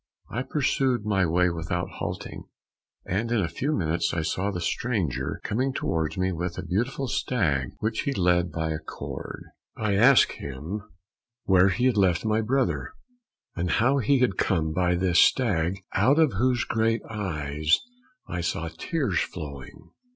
I pursued my way without halting, and in a few minutes I saw the stranger coming towards me with a beautiful stag which he led by a cord. I asked him where he had left my brother, and how he had come by this stag, out of whose great eyes I saw tears flowing.